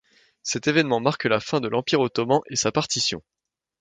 Cet événement marque la fin de l'Empire ottoman et sa partition.